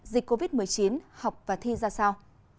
dịch covid một mươi chín học và thi ra sao